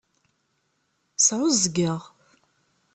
Sɛuẓẓgeɣ.